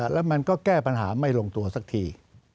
แล้วมันก็แก้ปัญหาไม่ลงตัวสักที